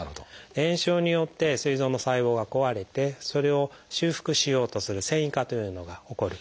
炎症によってすい臓の細胞が壊れてそれを修復しようとする「線維化」というのが起こる。